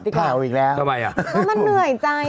พี่โอ๊คบอกว่าเขินถ้าต้องเป็นเจ้าภาพเนี่ยไม่ไปร่วมงานคนอื่นอะได้